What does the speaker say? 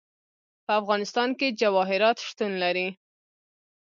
په افغانستان کې جواهرات شتون لري.